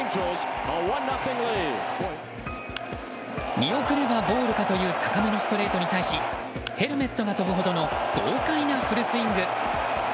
見送ればボールかという高めのストレートに対しヘルメットが飛ぶほどの豪快なフルスイング。